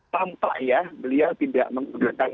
tampak ya beliau tidak menggunakan